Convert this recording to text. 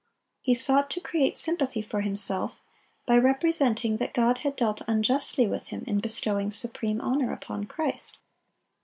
He sought to create sympathy for himself, by representing that God had dealt unjustly with him in bestowing supreme honor upon Christ.